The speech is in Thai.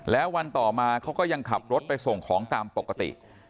แล้ววันต่อมาเขาก็ยังขับรถไปส่งของตามปกติ